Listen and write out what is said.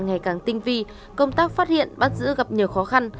ngày càng tinh vi công tác phát hiện bắt giữ gặp nhiều khó khăn